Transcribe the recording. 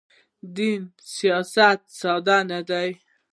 دین سیاست ساده نه دی.